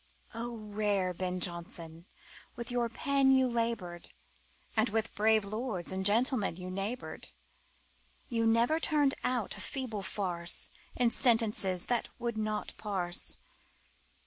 O rare Ben Jonson, with your pen You labored, And with brave lords and gentlemen You neighbored You never turned out feeble farce In sentences that would not parse.